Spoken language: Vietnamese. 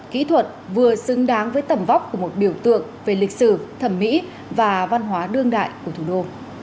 kỹ thuật vừa xứng đáng với tầm vóc của một biểu tượng về lịch sử thẩm mỹ và văn hóa đương đại của thủ đô